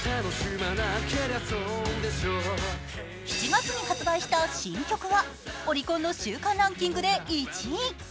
７月に発売した新曲はオリコンの週間ランキングで１位。